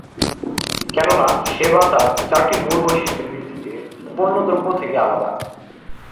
কেননা সেবা তার চারটি মূল বৈশিষ্ট্যের ভিত্তিতে পণ্যদ্রব্য থেকে আলাদা।